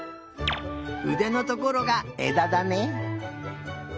うでのところがえだだね。